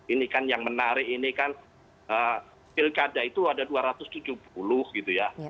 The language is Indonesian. ini kan yang menarik ini kan pilkada itu ada dua ratus tujuh puluh gitu ya